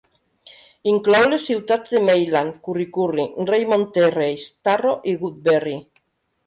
Inclou les ciutats de Maitland, Kurri Kurri, Raymond Terrace, Tarro i Woodberry.